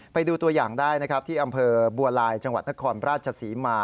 ไปดูตัวอย่างได้นะครับที่อำเภอบัวลายจังหวัดนครราชศรีมา